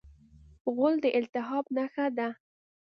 غول د التهاب نښه ده.